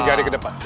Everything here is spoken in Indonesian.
tiga hari ke depan